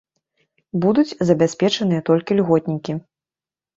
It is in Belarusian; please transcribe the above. Будуць забяспечаныя толькі льготнікі.